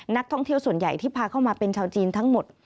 นักท่องเที่ยวส่วนใหญ่ที่พาเข้ามาเป็นชาวจีนทั้งหมด